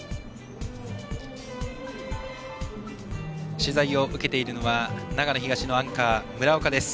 取材を受けているのは長野東のアンカー村岡です。